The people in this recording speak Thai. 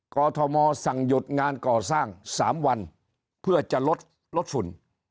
อทมสั่งหยุดงานก่อสร้าง๓วันเพื่อจะลดลดฝุ่น